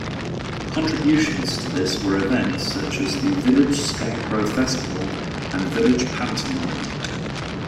Contributions to this were events such as the village Scarecrow Festival and village pantomime.